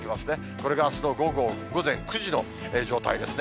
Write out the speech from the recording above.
これがあすの午前９時の状態ですね。